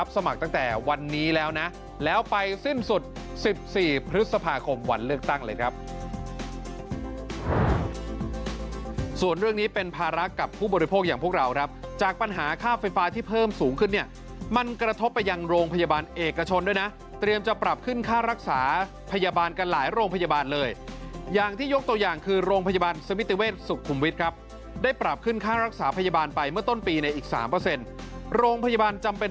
ส่วนเรื่องนี้เป็นภาระกับผู้บริโภคอย่างพวกเราครับจากปัญหาค่าไฟฟ้าที่เพิ่มสูงขึ้นเนี่ยมันกระทบไปยังโรงพยาบาลเอกชนด้วยนะเตรียมจะปรับขึ้นค่ารักษาพยาบาลกันหลายโรงพยาบาลเลยอย่างที่ยกตัวอย่างคือโรงพยาบาลสมิติเวชสุขุมวิทครับได้ปรับขึ้นค่ารักษาพยาบาลไปเมื่อต้นป